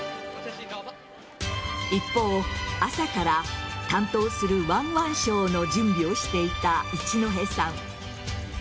一方、朝から担当するワンワンショーの準備をしていた一戸さん。